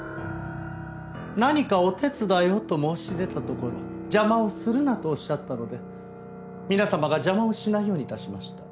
何かお手伝いをと申し出たところ邪魔をするなとおっしゃったので皆様が邪魔をしないように致しました。